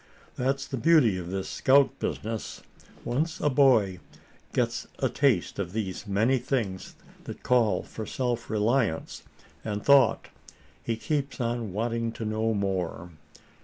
That's the beauty of this scout business once a boy gets a taste of these many things that call for self reliance and thought, he keeps on wanting to know more.